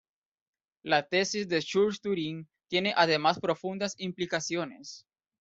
La tesis de Church-Turing tiene además profundas implicaciones.